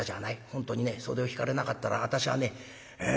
本当にね袖を引かれなかったら私はねええ